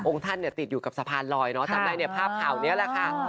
องค์ท่านติดอยู่กับสะพานลอยเนอะจำได้ภาพข่าวนี้แหละค่ะ